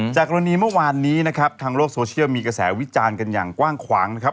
กรณีเมื่อวานนี้นะครับทางโลกโซเชียลมีกระแสวิจารณ์กันอย่างกว้างขวางนะครับ